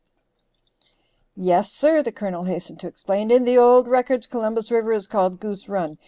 "Yes, sir," the Colonel hastened to explain, "in the old records Columbus River is called Goose Run.